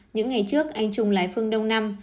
những ngày trước anh trung lái phương đông năm